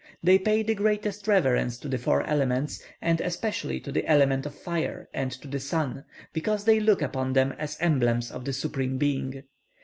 They pay the greatest reverence to the four elements, and especially to the element of fire, and to the sun, because they look upon them as emblems of the Supreme Being.